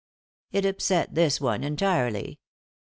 " "It upset this one entirely.